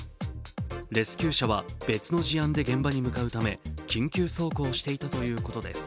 レスキュー車は別の事案で現場に向かうため緊急走行していたということです。